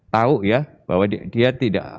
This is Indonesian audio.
tahu ya bahwa dia tidak